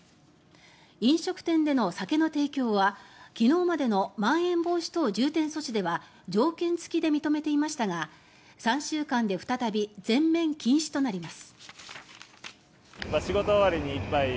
飲食店での酒の提供は昨日までのまん延防止等重点措置では条件付きで認めていましたが３週間で再び全面禁止となります。